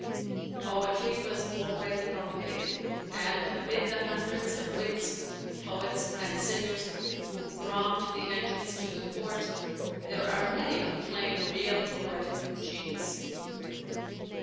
Poetry was already cultivated: and amid the hundreds of wits, poets, and singers who thronged the entrance to the court, there are many who claim real poetic genius.